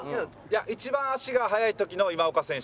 一番足が速い時の今岡選手。